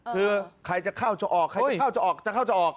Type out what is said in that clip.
คือใครจะเข้าจะออกใครจะเข้าจะออกจะเข้าจะออก